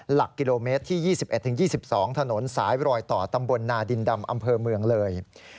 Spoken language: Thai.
หลักกิโลเมตรที่๒๑๒๒ถนนสายรอยต่อตำบลนาดินดำอำเภอเมืองเลย